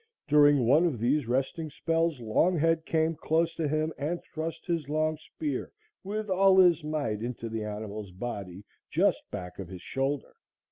During one of these resting spells, Longhead came close to him and thrust his long spear with all his might into the animal's body just back of his shoulder.